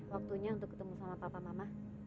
waktunya untuk ketemu sama papa mama